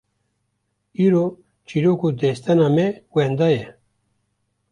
Îro çîrok û destana me wenda ye!